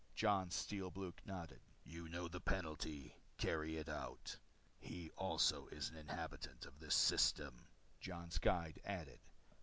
Jon's Steel Blue nodded. "You know the penalty? Carry it out." "He also is an inhabitant of this system," Jon's guide added.